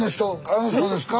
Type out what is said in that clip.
あの人ですか？